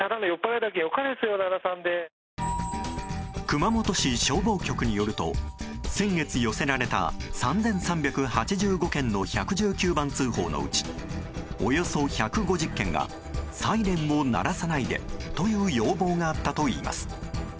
熊本市消防局によると先月寄せられた３３８５件の１１９番通報のうちおよそ１５０件がサイレンを鳴らさないでという要望があったといいます。